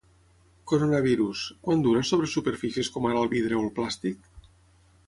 Coronavirus: quant dura sobre superfícies com ara el vidre o el plàstic?